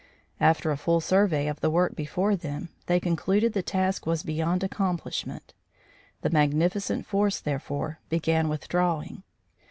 After a full survey of the work before them, they concluded the task was beyond accomplishment. The magnificent force, therefore, began withdrawing.